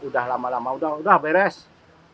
udah lama lama udah udah banyak yang ngomong itu ya